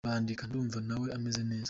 Bandika: Ndumva na we ameze nka bo.